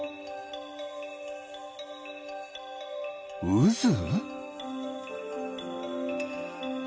うず？